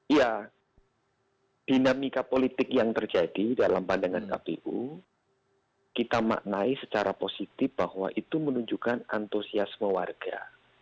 iya dinamika politik yang terjadi dalam pandangan kpu kita maknai secara positif bahwa itu menunjukkan antusiasme warga